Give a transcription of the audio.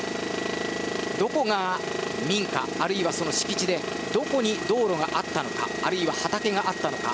どこが民家あるいは、その敷地でどこに道路があったのかあるいは畑があったのか。